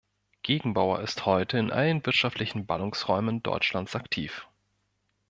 Gegenbauer ist heute in allen wirtschaftlichen Ballungsräumen Deutschlands aktiv.